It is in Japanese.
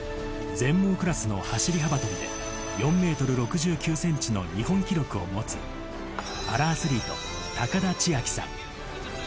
全盲クラスの走り幅跳びで、４メートル６９センチの日本記録を持つパラアスリート、高田千明さん。